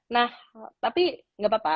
nah tapi nggak apa apa